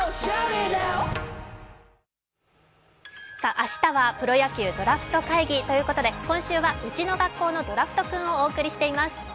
明日はプロ野球ドラフト会議ということで今週はウチの学校のドラフト君をお送りしています。